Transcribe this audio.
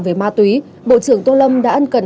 về ma túy bộ trưởng tô lâm đã ân cần